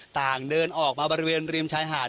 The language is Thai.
ต่างเดินออกมาบริเวณริมชายหาด